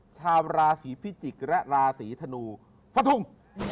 ชามราศีพิจิกและราศีธนูฟันทุ่ง